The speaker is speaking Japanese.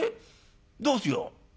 どうしよう。